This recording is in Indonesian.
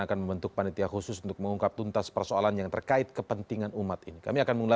atau yang disingkat dengan amfuri